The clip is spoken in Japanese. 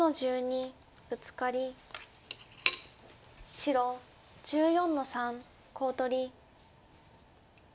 白１４の三コウ取り。